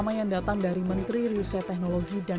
saya di presque tempat saya